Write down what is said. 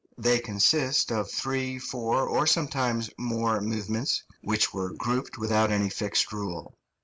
They consist of three, four, or sometimes more movements, which were grouped without any fixed rule.